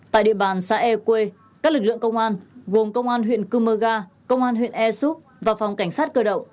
tại địa bàn xã e quê các lực lượng công an gồm công an huyện cư mơ ga công an huyện ea súp và phòng cảnh sát cơ động